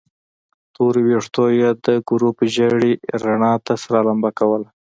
تورو ويښتو يې د ګروپ ژېړې رڼا ته سره لمبه کوله.